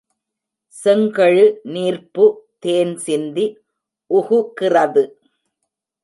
செங்கழு நீர்ப்பு தேன்சிந்தி உகுகிறது.